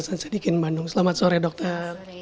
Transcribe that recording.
hasan sadikin bandung selamat sore dokter